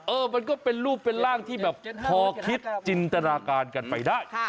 มันก็เป็นรูปเป็นร่างที่แบบพอคิดจินตนาการกันไปได้